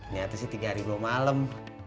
nyarisnya tiga hari belum malem